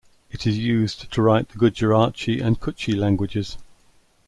It is used to write the Gujarati and Kutchi languages.